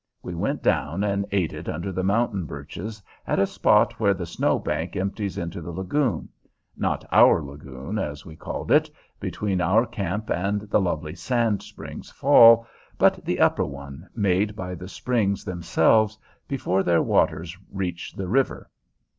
We went down and ate it under the mountain birches at a spot where the Snow Bank empties into the lagoon not our lagoon, as we called it, between our camp and the lovely Sand Springs Fall, but the upper one, made by the springs themselves, before their waters reach the river.